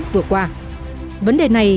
vừa qua vấn đề này